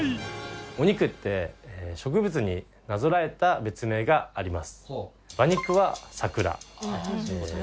お肉って植物になぞらえた別名があります。